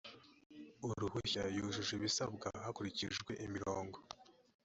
uruhushya yujuje ibisabwa hakurikijwe imirongo